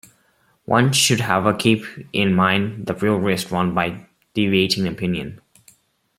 One should however keep in mind the real risk run by deviating opinion.